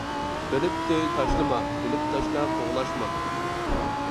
بىلىپ سۆي تاشلىما، بىلىپ تاشلا قوغلاشما!